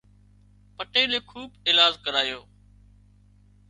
پٽيلي کوۮ ايلاز ڪرايو